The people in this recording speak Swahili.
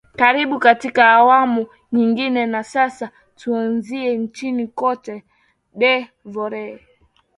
karibu katika awamu nyingine na sasa tuanzie nchini cote de voire